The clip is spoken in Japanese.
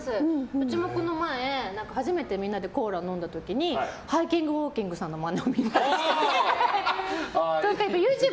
うちもこの前、初めてみんなでコーラを飲んだ時にハイキングウォーキングさんのモノマネをみんなでして。